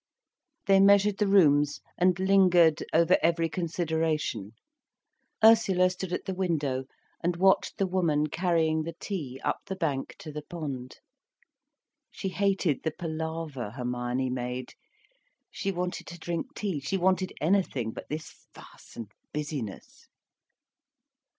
They measured the rooms, and lingered over every consideration. Ursula stood at the window and watched the woman carrying the tea up the bank to the pond. She hated the palaver Hermione made, she wanted to drink tea, she wanted anything but this fuss and business.